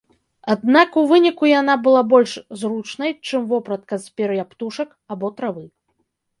Аднак у выніку яна была больш зручнай, чым вопратка з пер'я птушак або травы.